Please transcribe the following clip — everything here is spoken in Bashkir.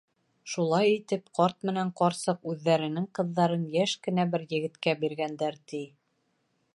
Шулай итеп, ҡарт менән ҡарсыҡ үҙҙәренең ҡыҙҙарын йәш кенә бер егеткә биргәндәр, ти.